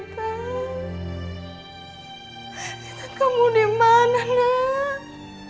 tante kamu dimana nek